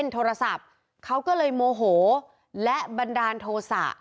โทรศัพท์เขาก็เลยโมโหและบันดาลโทษะ